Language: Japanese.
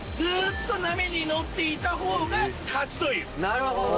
なるほど！